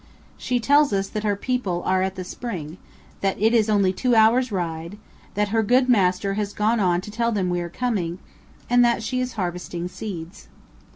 She tells us that her people are at the spring; that it is only two hours' ride; that her good master has gone on to tell them we are coming; and that she is harvesting seeds.